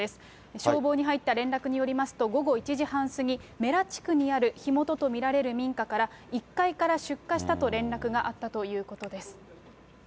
消防に入った連絡によりますと、午後１時半過ぎ、布良地区にある火元と見られる民家から１階から出火したと連絡があったということです。